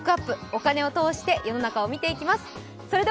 お金を通して世の中を見ていきます。